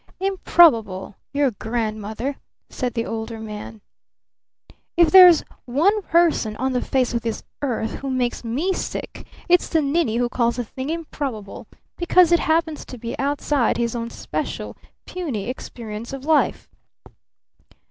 "Improbable your grandmother!" said the Older Man. "If there's one person on the face of this earth who makes me sick it's the ninny who calls a thing 'improbable' because it happens to be outside his own special, puny experience of life."